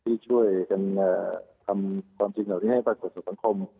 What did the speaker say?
ที่ช่วยกันทำความจริงเหล่านี้ให้ปรากฏสู่สังคม